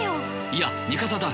いや味方だ。